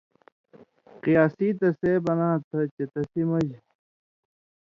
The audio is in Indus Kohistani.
قیاسی تسے بناں تھہ چے تسی مژ